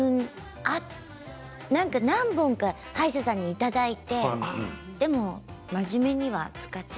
何本か歯医者さんにいただいてでも真面目には使ってない。